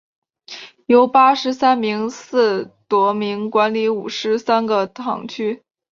由八十三名司铎名管理五十三个堂区。